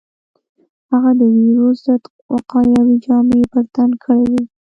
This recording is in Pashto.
هغه د وېروس ضد وقايوي جامې پر تن کړې وې.